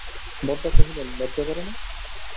বরদা কহিলেন, লজ্জা করে না?